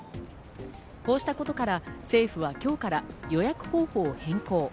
こうしたことから政府は今日から予約方法を変更。